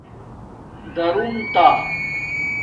دارݸم تہ